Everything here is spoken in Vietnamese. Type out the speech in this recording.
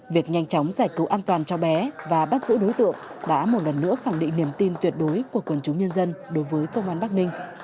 việc nhanh chóng giải cứu an toàn cho bé và bắt giữ đối tượng đã một lần nữa khẳng định niềm tin tuyệt đối của quần chúng nhân dân đối với công an bắc ninh